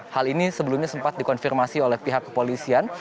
hal ini sebelumnya sempat dikonfirmasi oleh pihak kepolisian